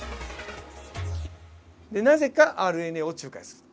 なぜかＲＮＡを仲介する。